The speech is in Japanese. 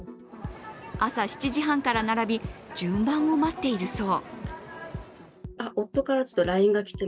朝７時半から並び、順番を待っているそう。